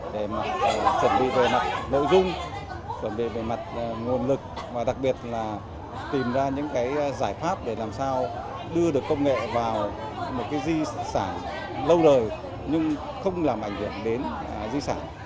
để mà chuẩn bị về mặt nội dung chuẩn bị về mặt nguồn lực và đặc biệt là tìm ra những cái giải pháp để làm sao đưa được công nghệ vào một di sản lâu đời nhưng không làm ảnh hưởng đến di sản